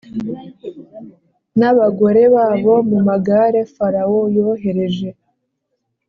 n abagore babo mu magare Farawo yohereje